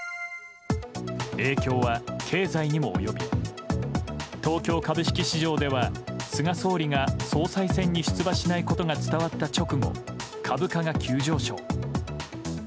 影響は経済にも及び、東京株式市場では、菅総理が総裁選に出馬しないことが伝わった直後、株価が急上昇。